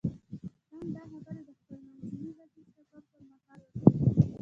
ټرمپ دا خبرې د خپل منځني ختیځ سفر پر مهال وکړې.